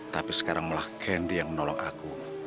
tapi sekarang malah kendi yang menolong aku